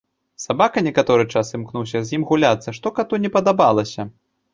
Сабака некаторы час імкнуўся з ім гуляцца, што кату не падабалася.